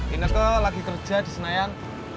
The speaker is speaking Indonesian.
gineka lagi kerja di senayan